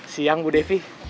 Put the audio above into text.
siang bu devi